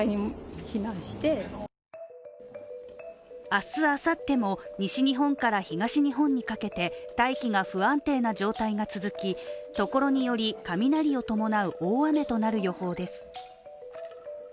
明日あさっても、西日本から東日本にかけて大気が不安定な状態が続きところにより雷を伴う大雨となる予報です。